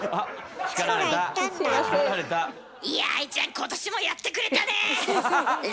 今年もやってくれたねえ！